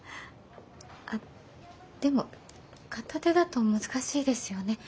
あでも片手だと難しいですよね。